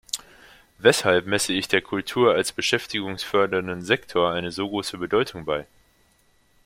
Weshalb messe ich der Kultur als beschäftigungsfördernden Sektor eine so große Bedeutung bei?